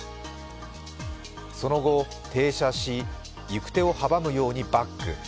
その後、停車し、行く手を阻むようにバック。